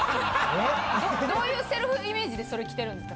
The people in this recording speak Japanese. どういうセルフイメージでそれ着てるんですか？